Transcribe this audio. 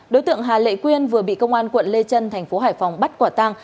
đối tượng hà lệ quyên vừa bị công an quận lê trân thành phố hải phòng bắt quả tang